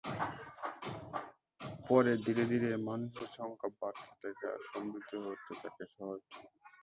পরে ধীরে ধীরে মানুষের সংখ্যা বাড়তে থাকে আর সমৃদ্ধ হয়ে উঠতে থাকে শহরটি।